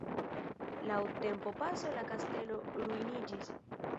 Laŭ tempopaso la kastelo ruiniĝis.